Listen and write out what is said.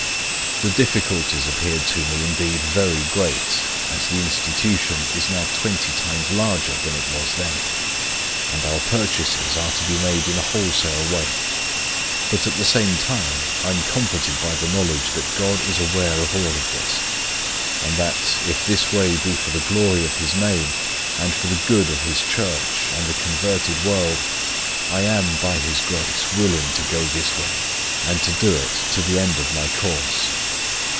The difficulties appeared to me indeed very great, as the Institution is now twenty times larger, than it was then, and our purchases are to be made in a wholesale way; but, at the same time, I am comforted by the knowledge, that God is aware of all this; and that, if this way be for the glory of His name, and for the good of His church and the unconverted world, I am, by His grace, willing to go this way, and to do it to the end of my course.